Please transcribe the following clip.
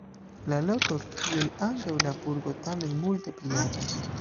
La loko kiel ankaŭ la burgo tamen multe pli aĝas.